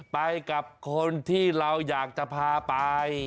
ไปกับคนที่เราอยากจะพาไป